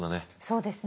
そうですね。